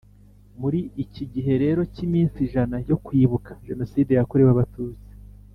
Muri iki gihe rero cy’iminsi ijana yo kwibuka Jenoside yakorewe abatutsi